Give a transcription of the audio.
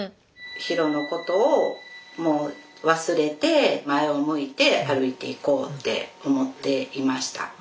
ヒロのことをもう忘れて前を向いて歩いていこうって思っていました。